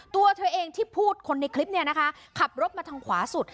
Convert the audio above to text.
ตัวเธอเองที่พูดคนในคลิปเนี่ยนะคะขับรถมาทางขวาสุด